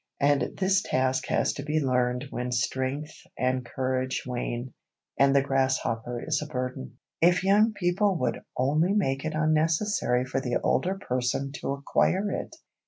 And this task has to be learned when strength and courage wane, and the grasshopper is a burden. If young people would only make it unnecessary for the older person to acquire it!